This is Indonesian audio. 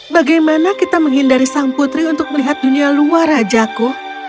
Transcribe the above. bagaimana kita menghindari sang putri untuk melihat dunia luar rajaku